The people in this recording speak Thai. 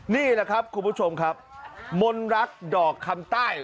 นี่แหละครับคุณผู้ชมครับมนรักดอกคำใต้